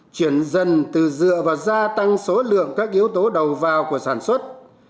chuyển dần từ dựa vào gia tăng số lượng các yếu tố đầu vào của sản xuất